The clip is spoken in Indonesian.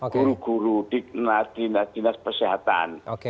guru guru dinas dinas kesehatan